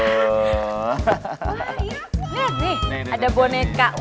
lihat nih ada boneka